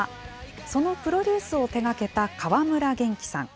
そのプロデュースを手がけた川村元気さん。